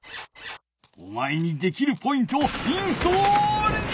おまえにできるポイントをインストールじゃ！